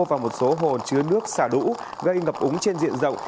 và một số hồ chứa nước xả lũ gây ngập úng trên diện rộng